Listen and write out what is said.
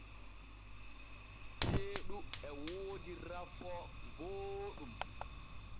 Ceeɗu e woodi rafoo booɗɗum.